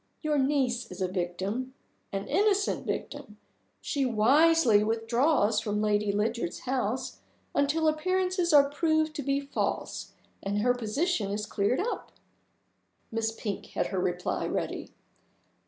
Your niece is a victim an innocent victim. She wisely withdraws from Lady Lydiard's house until appearances are proved to be false and her position is cleared up." Miss Pink had her reply ready.